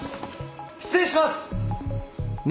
失礼します！